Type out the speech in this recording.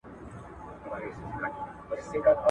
هره لوېشت مي د نيکه او بابا ګور دی!